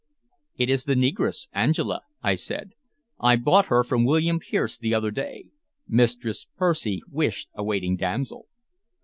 "It is the negress, Angela," I said. "I bought her from William Pierce the other day. Mistress Percy wished a waiting damsel."